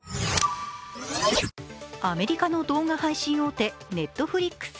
アメリカの動画配信大手・Ｎｅｔｆｌｉｘ。